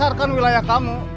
pasar kan wilayah kamu